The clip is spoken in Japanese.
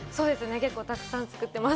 結構たくさん作ってます。